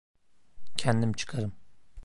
Kendim çıkarım!